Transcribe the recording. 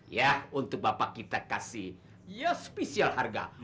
ya untuk bapak kita kasih ya spesial harga